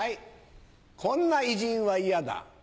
こんな偉人はイヤだ。